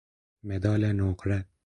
مدال نقره